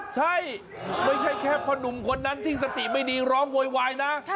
ใช่ไม่ใช่แค่พ่อนุ่มคนนั้นที่สติไม่ดีร้องโวยวายนะ